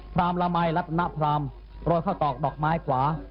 พรามละไหมรัฐนพรามประทบดอกไมค์ขวา